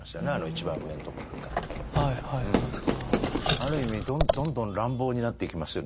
ある意味どんどん乱暴になっていきますよね。